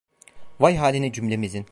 Vay haline cümlemizin…